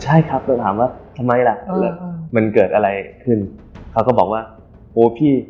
ใช่ครับเราถามว่าทำไมล่ะมันเกิดอะไรขึ้นเขาก็บอกว่าโอ้พี่